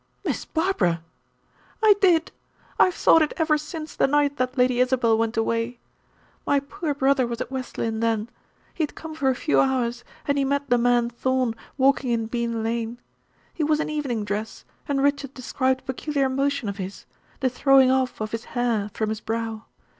"Miss Barbara!" "I did. I have thought it ever since the night that Lady Isabel went away. My poor brother was at West Lynne then he had come for a few hours, and he met the man Thorn walking in Bean lane. He was in evening dress, and Richard described a peculiar motion of his the throwing off of his hair from his brow.